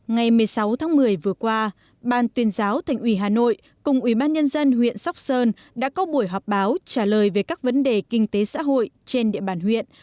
ngày một mươi sáu tháng một mươi vừa qua ban tuyên giáo thành ủy hà nội cùng ubnd huyện sóc sơn đã có buổi họp báo trả lời về các vấn đề kinh tế xã hội trên địa bàn huyện